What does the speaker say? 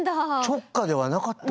直下ではなかった。